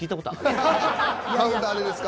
カウンターでですか？